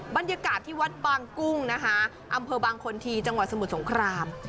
บรรยากาศที่วัดบางกุ้งนะคะอำเภอบางคนทีจังหวัดสมุทรสงคราม